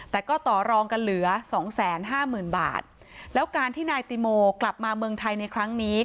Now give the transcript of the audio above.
แต่ก็ต่อรองกันเหลือสองแสนห้าหมื่นบาทแล้วการที่นายติโมกลับมาเมืองไทยในครั้งนี้